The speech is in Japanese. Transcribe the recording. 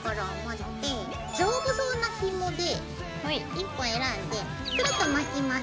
１本選んでくるっと巻きます。